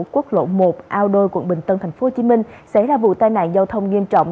quốc lộ một ao đôi quận bình tân thành phố hồ chí minh xảy ra vụ tai nạn giao thông nghiêm trọng